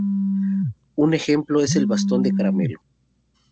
Un ejemplo es el bastón de caramelo.